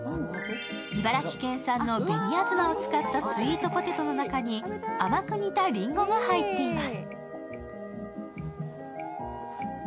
茨城県産の紅あずまを使ったスイートポテトの中に甘く煮たりんごが入っています。